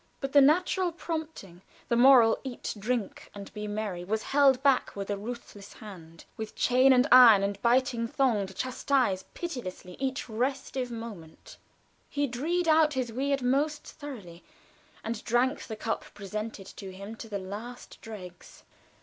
But the natural prompting the moral "eat, drink, and be merry," was held back with a ruthless hand, with chain of iron, and biting thong to chastise pitilessly each restive movement. He dreed out his weird most thoroughly, and drank the cup presented to him to the last dregs.